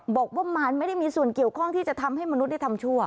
บอกว่ามารไม่ได้มีส่วนเกี่ยวข้องที่จะทำให้มนุษย์ได้ทำชั่ว